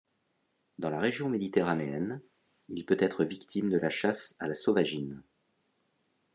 Dans la région méditerranéenne, il peut être victime de la chasse à la sauvagine.